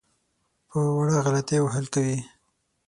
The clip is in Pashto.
په وړه غلطۍ وهل کوي.